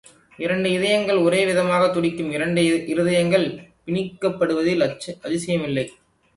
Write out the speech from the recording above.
இரண்டு இருதயங்கள் ஒரே விதமாகத் துடிக்கும் இரண்டு இருதயங்கள் பிணிக்கப்படுவதில் அதிசயமில்லை.